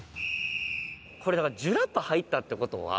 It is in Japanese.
これだからジュラパ入ったって事は。